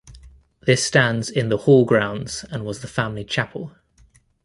This stands in the hall grounds and was the family chapel.